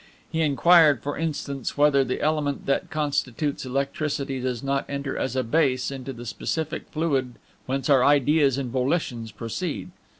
He inquired, for instance, whether the element that constitutes electricity does not enter as a base into the specific fluid whence our Ideas and Volitions proceed?